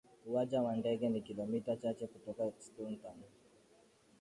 Uwanja wa ndege ni kilomita chache tu kutoka Stone Town